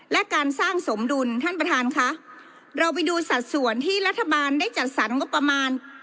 และการสร้างสมดุลท่านประธานค่ะเราไปดูสัดส่วนที่รัฐบาลได้จัดสรรงบประมาณ